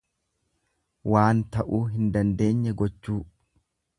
Waan ta'uu hin dandeenye gochuu.